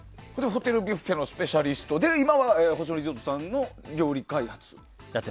ホテルビュッフェのスペシャリストで今は星野リゾートさんの料理開発。